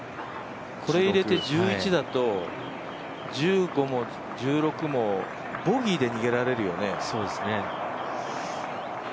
これ入れて１１だと１５も１６もボギーで逃げられるよね。